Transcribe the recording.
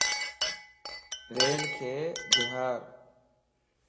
ريلک ڀيار